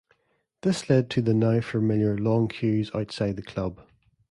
This led to the now familiar long queues outside the club.